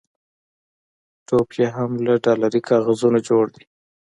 ټوپ یې هم له ډالري کاغذونو جوړ دی.